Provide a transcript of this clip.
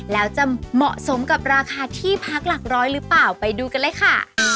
แล้วจะเหมาะสมกับราคาที่พักหลักร้อยหรือเปล่าไปดูกันเลยค่ะ